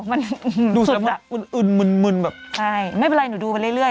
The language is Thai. มันสุดแบบอุ่นแบบใช่ไม่เป็นไรหนูดูไปเรื่อย